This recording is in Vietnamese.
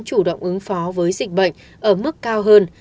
chủ động ứng phó với dịch bệnh ở mức cao hơn